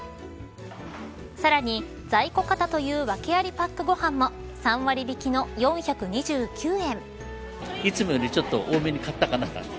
さらに在庫過多という訳ありパックご飯も３割引きの４２９円。